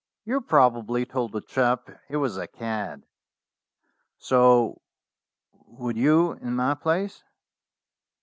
"You probably told the chap he was a cad." "So would you in my place."